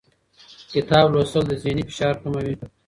کتاب لوستل د ذهني فشار کموي